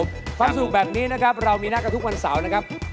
ความสุขแบบนี้นะครับเรามีนัดกันทุกวันเสาร์นะครับ